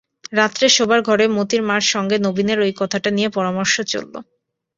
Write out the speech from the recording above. রাত্রে শোবার ঘরে মোতির মার সঙ্গে নবীনের ঐ কথাটা নিয়ে পরামর্শ চলল।